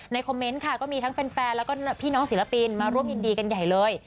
คอมเมนต์ค่ะก็มีทั้งแฟนแล้วก็พี่น้องศิลปินมาร่วมยินดีกันใหญ่เลย